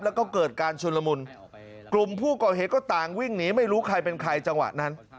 แล้วก็เกิดการชุนละมุนกลุ่มผู้ก่อเหตุก็ต่างวิ่งหนีไม่รู้ใครเป็นใครจังหวะนั้น